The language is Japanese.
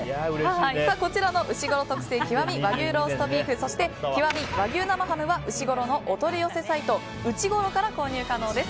こちらのうしごろ特製“極”和牛ローストビーフ“極”和牛生ハムはうしごろのお取り寄せサイトＵＣＨＩＧＯＲＯから購入可能です。